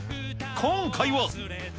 今回は。